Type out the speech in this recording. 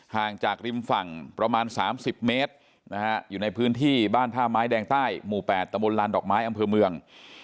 ห่างจากริมฝั่งประมาณ๓๐เมตรนะฮะอยู่ในพื้นที่บ้านท่าไม้แดงใต้หมู่๘ตะบนลานดอกไม้อำเภอเมือง